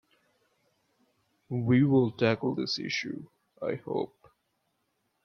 We will tackle this issue, I hope.